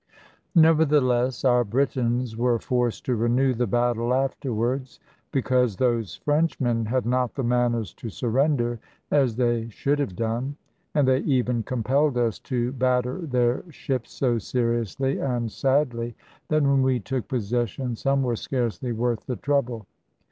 Nevertheless our Britons were forced to renew the battle afterwards; because those Frenchmen had not the manners to surrender as they should have done. And they even compelled us to batter their ships so seriously and sadly, that when we took possession some were scarcely worth the trouble.